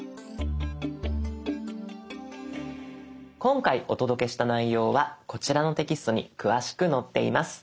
今回お届けした内容はこちらのテキストに詳しく載っています。